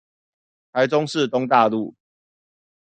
台中市東大路